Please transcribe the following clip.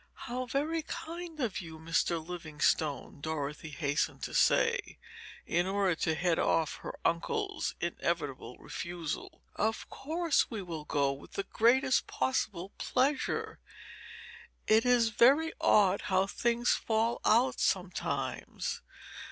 "How very kind you are, Mr. Livingstone," Dorothy hastened to say, in order to head off her uncle's inevitable refusal. "Of course we will go, with the greatest possible pleasure. It is very odd how things fall out sometimes.